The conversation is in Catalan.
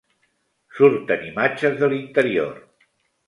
Surten imatges de l'interior.